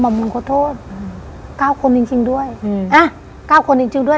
มึงขอโทษอืมเก้าคนจริงจริงด้วยอืมอ่ะเก้าคนจริงจริงด้วย